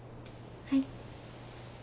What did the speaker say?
はい。